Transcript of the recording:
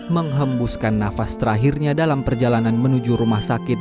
menghembuskan nafas terakhirnya dalam perjalanan menuju rumah sakit